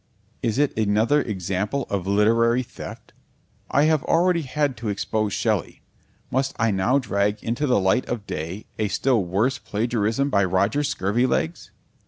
Is it another example of literary theft? I have already had to expose Shelley. Must I now drag into the light of day a still worse plagiarism by Roger Scurvilegs?